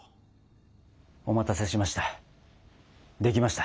お待たせしました。